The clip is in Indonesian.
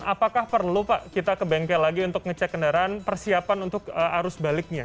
apakah perlu pak kita ke bengkel lagi untuk ngecek kendaraan persiapan untuk arus baliknya